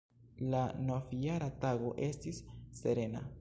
La Novjara Tago estis serena.